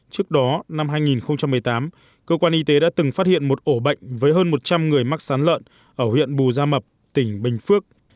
trước đó năm hai nghìn một mươi tám cơ quan y tế đã từng phát hiện một ổ bệnh với hơn một trăm linh người mắc sán lợn ở huyện bù gia mập tỉnh bình phước